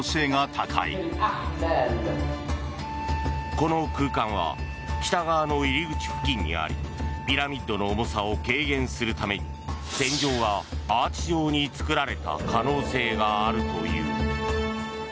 この空間は北側の入り口付近にありピラミッドの重さを軽減するために天井がアーチ状に作られた可能性があるという。